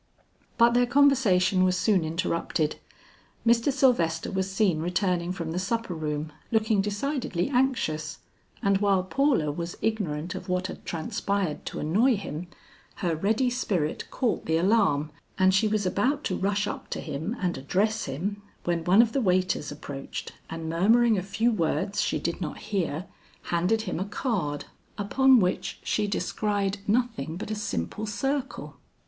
But their conversation was soon interrupted. Mr. Sylvester was seen returning from the supper room, looking decidedly anxious, and while Paula was ignorant of what had transpired to annoy him, her ready spirit caught the alarm, and she was about to rush up to him and address him, when one of the waiters approached, and murmuring a few words she did not hear, handed him a card upon which she descried nothing but a simple circle.